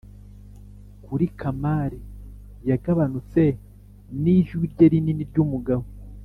kuri kamari yagabanutse, nijwi rye rinini ryumugabo,